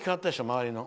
周りの。